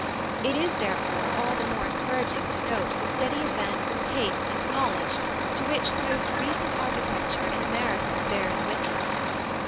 It is therefore all the more encouraging to note the steady advance in taste and knowledge to which the most recent architecture in America bears witness.